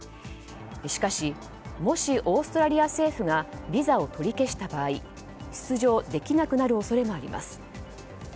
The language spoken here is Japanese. しかし、もしオーストラリア政府がビザを取り消した場合出場できなくなる恐れもあります。